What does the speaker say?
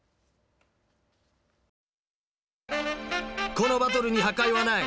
このバトルに破壊はない。